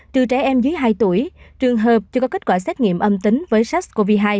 từ trẻ em dưới hai tuổi trường hợp chưa có kết quả xét nghiệm âm tính với sars cov hai